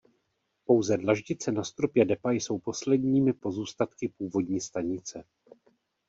Pouze dlaždice na stropě depa jsou posledními pozůstatky původní stanice.